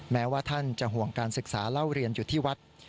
แม้ว่าท่านจะห่วงการศึกษาเล่าเรียนอยู่ที่วัด